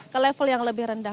ke level yang lebih rendah